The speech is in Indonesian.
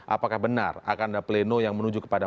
apakah benar akan ada pleno yang menuju kepada